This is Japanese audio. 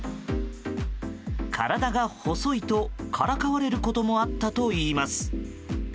体が細いと、からかわれることもあったといいます。